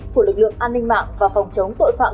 của lực lượng an ninh mạng và phòng chống tội phạm